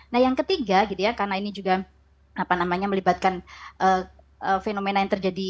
nah yang ketiga gitu ya karena ini juga melibatkan fenomena yang terjadi